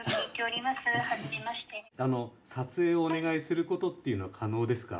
撮影をお願いすることっていうのは可能ですか？